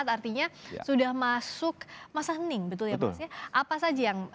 dua puluh lima empat artinya sudah masuk masa hening betul ya apa saja yang